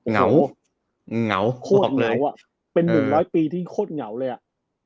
งาวจริงแล้วเป็นหนุ่ม๑๐๐ปีที่โคตรงาวเลยอ่ะ